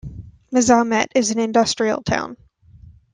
Mazamet is an industrial town.